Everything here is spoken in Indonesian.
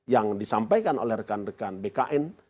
yang disampaikan oleh rekan rekan bkn